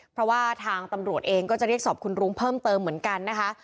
เพราะว่าทางตำรวจเองก็จะเรียกสอบคุณรุ้งเพิ่มเติมเหมือนกันนะคะ